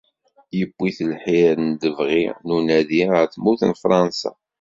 Yewwi-t lḥir d lebɣi n unadi ɣer tmurt n Fransa.